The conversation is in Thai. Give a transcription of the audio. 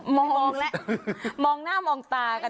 มองแหละมองหน้ามองตากันได้ละกัน